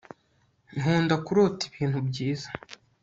nkunda kurota ibintu byiza